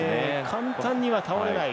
簡単には倒れない。